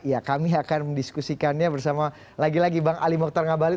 ya kami akan mendiskusikannya bersama lagi lagi bang ali mokhtar ngabalin